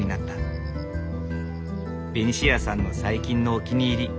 ベニシアさんの最近のお気に入り。